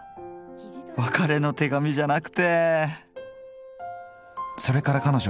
別れの手紙じゃなくて。